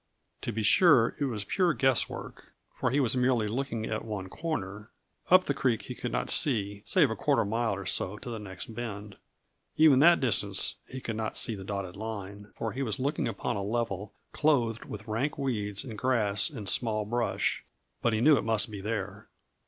To be sure, it was pure guesswork, for he was merely looking at one corner. Up the creek he could not see, save a quarter mile or so to the next bend; even that distance he could not see the dotted line for he was looking upon a level clothed with rank weeds and grass and small brush but he knew it must be there.